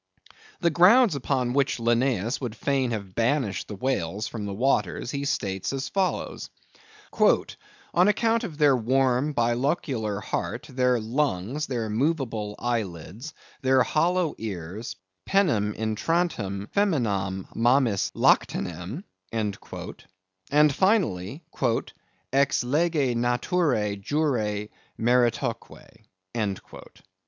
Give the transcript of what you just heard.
The grounds upon which Linnæus would fain have banished the whales from the waters, he states as follows: "On account of their warm bilocular heart, their lungs, their movable eyelids, their hollow ears, penem intrantem feminam mammis lactantem," and finally, "ex lege naturæ jure meritoque."